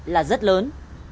là rất lớn